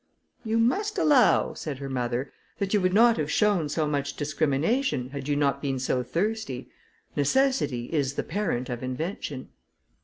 "You must allow," said her mother, "that you would not have shown so much discrimination, had you not been so thirsty. Necessity is the parent of invention."